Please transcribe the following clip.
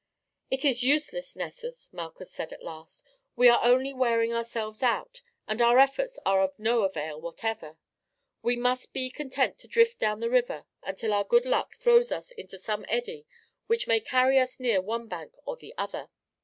"It is useless, Nessus," Malchus said at last. "We are only wearing ourselves out, and our efforts are of no avail whatever. We must be content to drift down the river until our good luck throws us into some eddy which may carry us near one bank or the other."